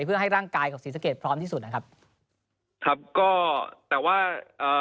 เพื่อให้ร่างกายกับศรีสะเกดพร้อมที่สุดนะครับครับก็แต่ว่าเอ่อ